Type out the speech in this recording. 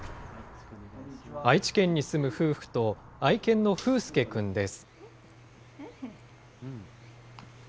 愛知県に住む夫婦と、愛犬のふうすけ君です。